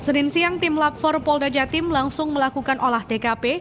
senin siang tim lab empat polda jatim langsung melakukan olah tkp